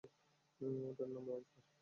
ওটার নাম ওয়াইপার।